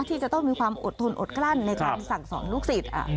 ที่จะต้องมีความอดทนอดกลั้นในการสั่งสอนลูกศิษย์